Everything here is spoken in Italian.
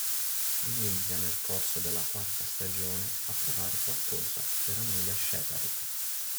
Inizia nel corso della quarta stagione a provare qualcosa per Amelia Sheperd